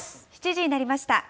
７時になりました。